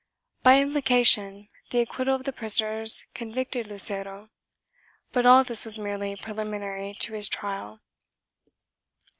1 By implication, the acquittal of the prisoners convicted Lucero, but all this was merely preliminary to his trial.